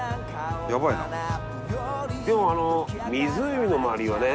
でもあの湖の周りはね。